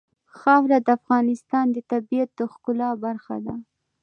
خاوره د افغانستان د طبیعت د ښکلا برخه ده.